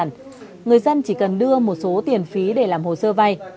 người dân chỉ cần đưa một số tiền phí để làm hồ sơ vay